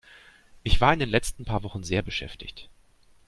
Ich war in den letzten paar Wochen sehr beschäftigt.